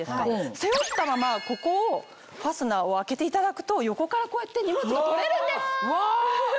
背負ったままここをファスナーを開けていただくと横からこうやって荷物が取れるんです。